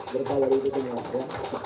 berkah dari itu semua